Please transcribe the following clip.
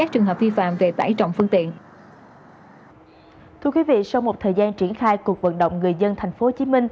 thưa quý vị sau một thời gian triển khai cuộc vận động người dân tp hcm